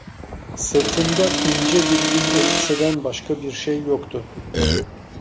Sırtında ince bir yün elbiseden başka bir şey yoktu.